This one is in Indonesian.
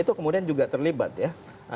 itu kemudian juga terlibat ya